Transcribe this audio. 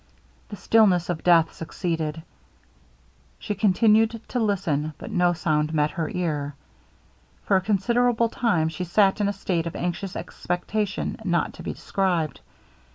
The stillness of death succeeded. She continued to listen; but no sound met her ear. For a considerable time she sat in a state of anxious expectation not to be described.